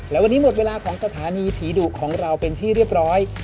และวันนี้หมดเวลาของสถานีผีดุของเราเป็นที่เรียบร้อย